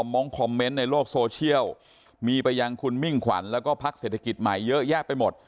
มงค์คอมเมนต์ในโลกโซเชียลมีไปยังคุณมิ่งขวัญแล้วก็พักเศรษฐกิจใหม่เยอะแยะไปหมด